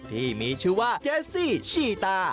ที่มีชื่อว่าเจซี่ชีตา